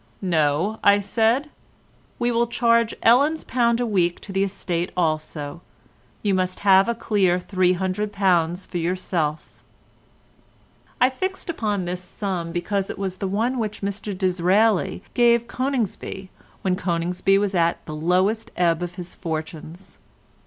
"No," said I, "we will charge Ellen's pound a week to the estate also. You must have a clear £300 for yourself." I fixed upon this sum, because it was the one which Mr Disraeli gave Coningsby when Coningsby was at the lowest ebb of his fortunes.